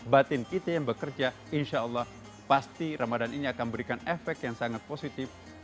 batin kita yang bekerja insya allah pasti ramadan ini akan memberikan efek yang sangat positif